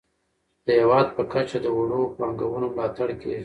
د هیواد په کچه د وړو پانګونو ملاتړ کیږي.